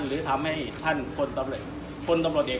หรือทำให้ท่านคนตำรวจเอก